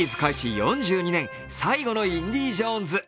４２年、最後の「インディージョーンズ」。